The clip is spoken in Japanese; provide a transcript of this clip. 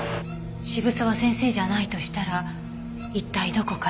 渋沢先生じゃないとしたら一体どこから？